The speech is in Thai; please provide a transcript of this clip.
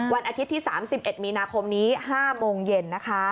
วันอาทิตย์ที่สามสิบเอ็ดมีนาคมนี้ห้าโมงเย็นนะคะ